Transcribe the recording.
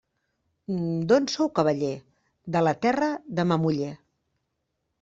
D'on sou, cavaller? De la terra de ma muller.